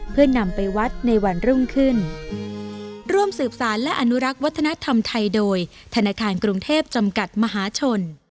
เพื่อนำไปวัดในวันรุ่งขึ้น